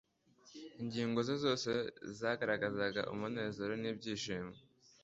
Ingingo ze zose zagaragazaga umunezero n'ibyiringiro,